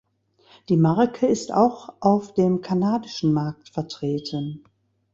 Die Marke ist auch auf dem kanadischen Markt vertreten.